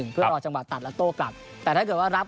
เพื่อรอจังหวะตัดแล้วโต้กลับ